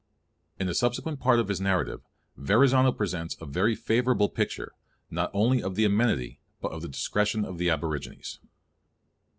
In a subsequent part of his narrative, Verrazzano presents a very favourable picture, not only of the amenity, but of the discretion of the aborigines.